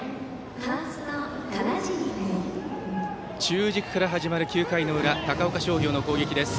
中軸から始まる９回の裏高岡商業の攻撃です。